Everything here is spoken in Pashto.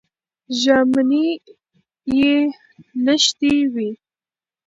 ژامنې یې نښتې وې.